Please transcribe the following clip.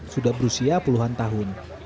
sudah berusia puluhan tahun